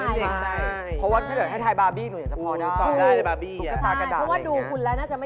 เพราะว่าถ้าเดินให้ไทยบาร์บี้หนูอยากจะพอได้